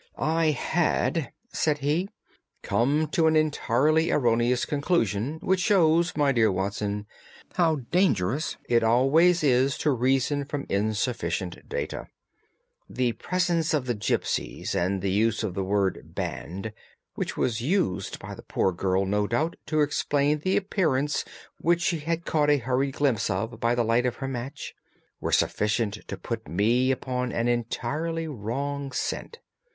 "I had," said he, "come to an entirely erroneous conclusion which shows, my dear Watson, how dangerous it always is to reason from insufficient data. The presence of the gipsies, and the use of the word 'band,' which was used by the poor girl, no doubt, to explain the appearance which she had caught a hurried glimpse of by the light of her match, were sufficient to put me upon an entirely wrong scent.